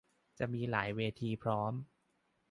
จะมีหลายเวทีพร้อม